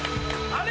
あれ？